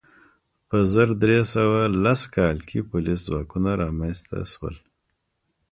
په زر درې سوه لس کال کې پولیس ځواکونه رامنځته شول.